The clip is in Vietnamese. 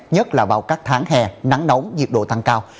nhất là vào các tháng hè nắng nóng nhiệt độ tăng cao